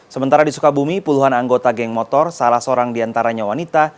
sementara di sukabumi puluhan anggota geng motor salah seorang diantaranya wanita